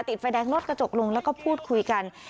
ติดไฟแดงรถกระจกลงแล้วก็พูดคุยกัน